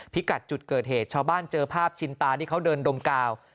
กัดจุดเกิดเหตุชาวบ้านเจอภาพชินตาที่เขาเดินดมกาว